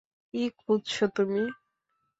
কি খুঁজছ তুমি?